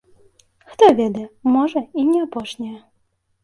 Хто ведае, можа, і не апошняя.